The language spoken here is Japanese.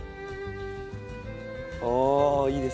ああいいですね。